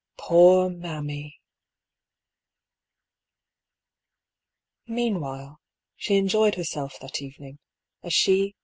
Poor " mammy !" Meanwhile, she enjoyed herself that evening, as she.